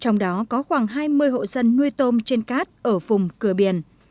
trong đó có khoảng hai mươi hộ dân nuôi tôm trên cát ở vùng cửa biển